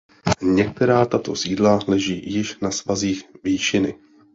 Některá tato sídla leží již na svazích výšiny.